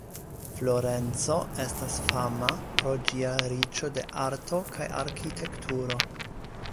Florenco estas fama pro ĝia riĉo de arto kaj arkitekturo.